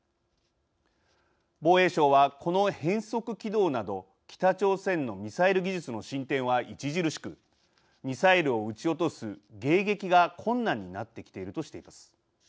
防衛省は、この変則軌道など北朝鮮のミサイル技術の進展は著しくミサイルを撃ち落とす迎撃が困難になってきているとしています。